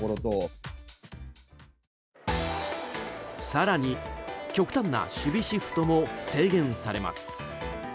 更に、極端な守備シフトも制限されます。